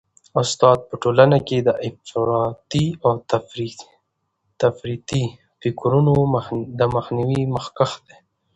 استاد په ټولنه کي د افراطي او تفریطي فکرونو د مخنیوي مخکښ دی.